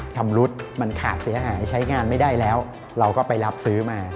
ชำรุดมันขาดเสียหายใช้งานไม่ได้แล้วเราก็ไปรับซื้อมา